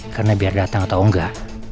karena biar datang atau enggak